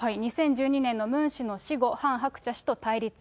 ２０１２年のムン氏の死後、ハン・ハクチャ氏と対立。